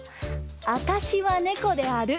「あたしは猫である」